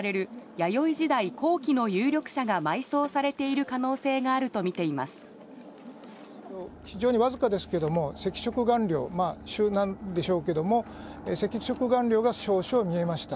弥生時代後期の有力者が埋葬されている非常に僅かですけども、赤色顔料、朱なんでしょうけども、赤色顔料が少々見えました。